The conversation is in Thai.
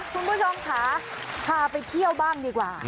คุณผู้ชมค่ะพาไปเที่ยวบ้างดีกว่า